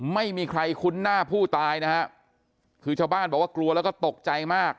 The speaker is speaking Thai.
ไม่มีใครคุ้นหน้าผู้ตายนะฮะคือชาวบ้านบอกว่ากลัวแล้วก็ตกใจมาก